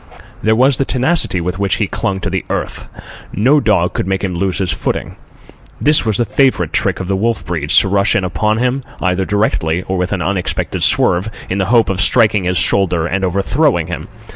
There was the tenacity with which he clung to the earth. No dog could make him lose his footing. This was the favourite trick of the wolf breeds—to rush in upon him, either directly or with an unexpected swerve, in the hope of striking his shoulder and overthrowing him.